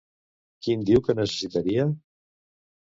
Quin diu que necessitaria?